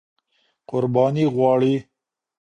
قرباني غواړي.